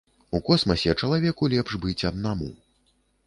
У космасе чалавеку лепш быць аднаму.